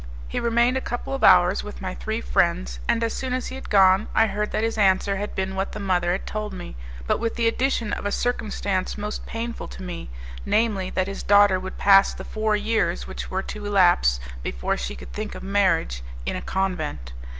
He remained a couple of hours with my three friends, and as soon as he had gone I heard that his answer had been what the mother had told me, but with the addition of a circumstance most painful to me namely, that his daughter would pass the four years which were to elapse, before she could think of marriage, in a convent.